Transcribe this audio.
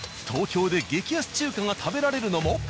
東京で激安中華が食べられるのも！